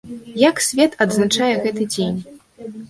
Як свет адзначае гэты дзень?